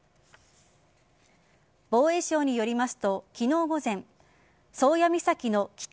防衛省によりますと昨日午前宗谷岬の北